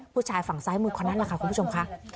ผู้ชายฝั่งซ้ายมือคนนั้นแหละค่ะคุณผู้ชมค่ะ